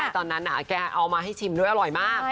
ตอนนั้นแกเอามาให้ชิมด้วยอร่อยมาก